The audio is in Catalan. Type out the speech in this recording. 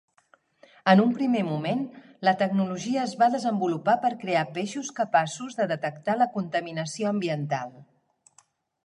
En un primer moment, la tecnologia es va desenvolupar per crear peixos capaços de detectar la contaminació ambiental.